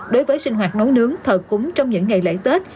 đối với sinh hoạt nấu nướng thờ cúng trong những ngày lễ tết